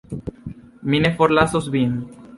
Mi ne forlasos Vin.